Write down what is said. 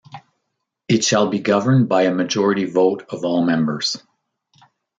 It shall be governed by a majority vote of all members.